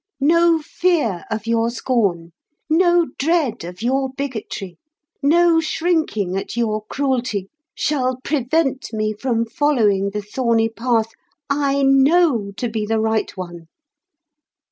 No fear of your scorn, no dread of your bigotry, no shrinking at your cruelty, shall prevent me from following the thorny path I know to be the right one.